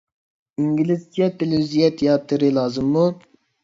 ئىنگلىزچە تېلېۋىزىيە تىياتىرى لازىممۇ؟